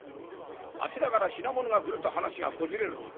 あちらから品物が来ると話がこじれるんだ。